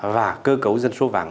và cơ cấu dân số vàng